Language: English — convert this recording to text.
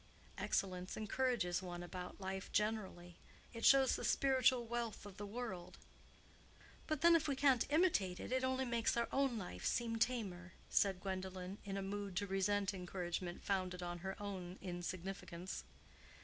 Excellence encourages one about life generally; it shows the spiritual wealth of the world." "But then, if we can't imitate it, it only makes our own life seem the tamer," said Gwendolen, in a mood to resent encouragement founded on her own insignificance.